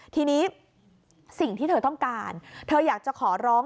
ทีนี้สิ่งที่เธอต้องการเธออยากจะขอร้อง